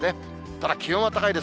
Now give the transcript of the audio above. ただ、気温は高いです。